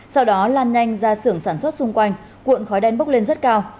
sau đó lan nhanh ra sưởng sản xuất xung quanh cuộn khói đen bốc lên rất cao